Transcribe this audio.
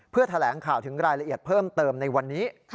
เพื่อแถลงข่าวถึงรายละเอียดเพิ่มเติมในวันนี้